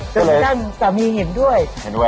จะลงจันตรับเห็นด้วย